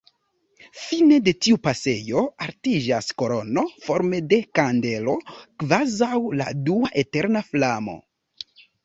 Fine de tiu pasejo altiĝas kolono forme de kandelo, kvazaŭ la dua eterna flamo.